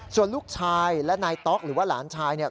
ส่วนลูกชายและนายต๊อกหรือว่าหลานชายเนี่ย